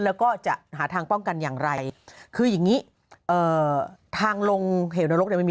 แล้วก็จะหาทางป้องกันอย่างไรคืออย่างงี้เอ่อทางลงเหวนรกเนี่ยมันมี